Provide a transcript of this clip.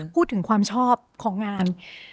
พูดถึงความชอบของงาน